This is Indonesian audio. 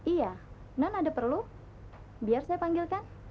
iya non ada perlu biar saya panggilkan